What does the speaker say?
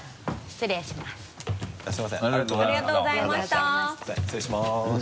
失礼します。